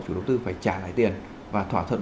chủ tư phải trả lại tiền và thỏa thuận